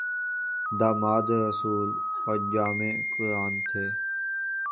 داماد رسول اور جامع قرآن تھے